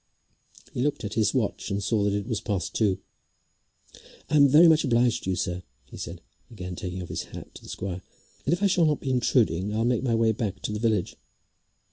He looked at his watch and saw that it was past two. "I'm very much obliged to you, sir," he said, again taking off his hat to the squire, "and if I shall not be intruding I'll make my way back to the village."